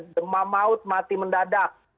demamaut mati mendadak